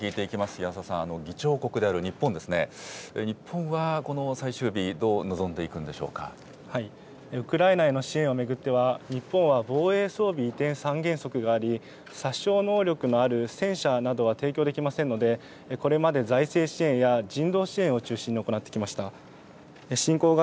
岩澤さん、議長国である日本ですね、日本はこの最終日、どう臨んウクライナへの支援を巡っては、日本は防衛装備移転三原則があり、殺傷能力のある戦車などは提供できませんので、これまで財政支援や人道支援を中心に行ってきました。